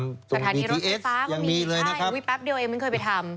ประธานีรถไฟฟ้ามันมีใช่แบบนี้แป๊บเดียวเองมันเคยไปทำ